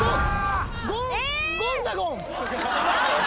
何だ！